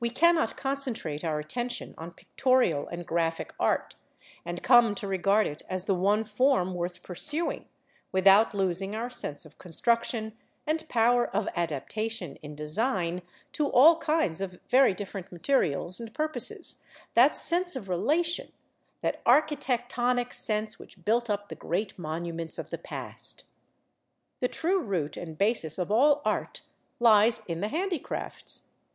We cannot concentrate our attention on pictorial and graphic art, and come to regard it as the one form worth pursuing, without losing our sense of construction and power of adaptation in design to all kinds of very different materials and purposes that sense of relation that architectonic sense which built up the great monuments of the past. The true root and basis of all Art lies in the handicrafts.